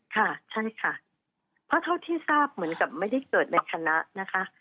ค่ะใช่ค่ะเพราะเท่าที่ทราบเหมือนกับไม่ได้เกิดในคณะนะคะ